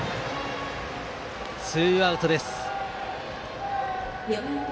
ツーアウトです。